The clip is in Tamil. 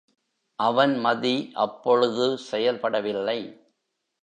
அவன் மதி அப்பொழுது செயல்படவில்லை.